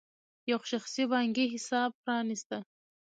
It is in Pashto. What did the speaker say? یو شخصي بانکي حساب پرانېسته.